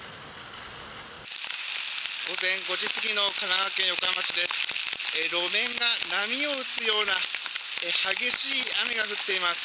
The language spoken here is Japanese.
午前５時過ぎの神奈川県横浜市です。